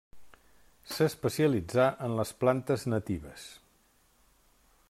S’especialitzà en les plantes natives.